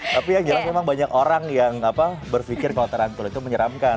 tapi yang jelas memang banyak orang yang berpikir kalau tarantula itu menyeramkan